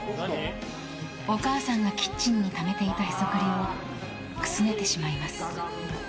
お母さんがキッチンにためていたへそくりをくすねてしまいます。